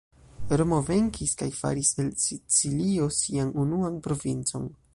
Romo venkis, kaj faris el Sicilio sian unuan provincon.